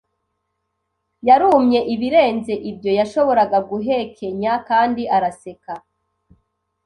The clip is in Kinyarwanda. Yarumye ibirenze ibyo yashoboraga guhekenya kandi araseka.